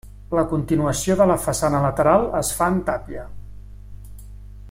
La continuació de la façana lateral es fa en tàpia.